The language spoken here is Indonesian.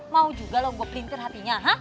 mau juga lo gue pelintir hatinya